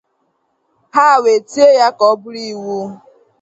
ha wee tie ya ka ọ bụrụ iwu